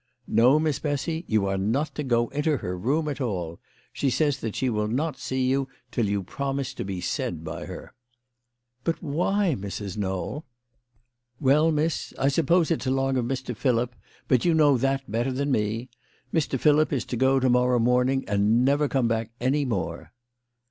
" No, Miss Bessy ; you are not to go into her room at all. She says that she will not see you till you promise to be said by her." " But why, Mrs. Knowl ?" "Well, miss; I suppose it's along of Mr. Philip. But you know that better than me. Mr. Philip is to go to inorrow morning and never come back any more."